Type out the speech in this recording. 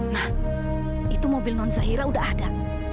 nah itu mobil non zahira udah ada